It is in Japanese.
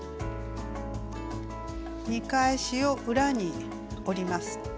見返しを裏に折ります。